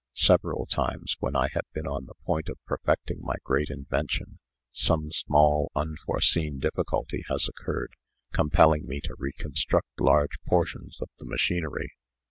Several times, when I have been on the point of perfecting my great invention, some small, unforeseen difficulty has occurred, compelling me to reconstruct large portions of the machinery.